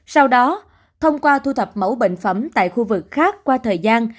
sau đó thông qua thu thập mẫu bệnh phẩm tại khu vực khác qua thời gian